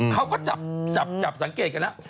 เขาก็จับสังเกตกันแล้ว